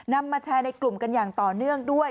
นำมาแชร์ในกลุ่มกันอย่างต่อเนื่องด้วย